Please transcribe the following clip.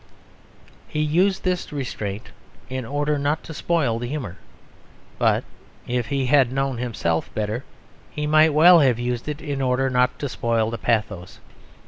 He used this restraint in order not to spoil the humour; but (if he had known himself better) he might well have used it in order not to spoil the pathos.